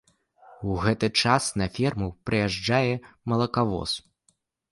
У гэты час на ферму прыязджае малакавоз.